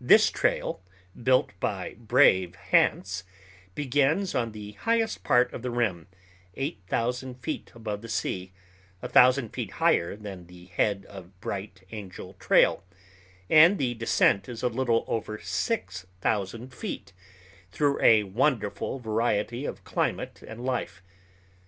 This trail, built by brave Hance, begins on the highest part of the rim, eight thousand feet above the sea, a thousand feet higher than the head of Bright Angel Trail, and the descent is a little over six thousand feet, through a wonderful variety of climate and life.